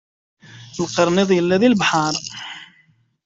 Lqerniṭ yella lebḥeṛ.